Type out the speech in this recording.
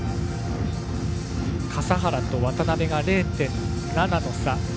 笠原と渡部が０．７の差。